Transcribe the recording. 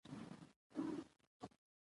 تاریخ د خپل ولس د عزت لامل دی.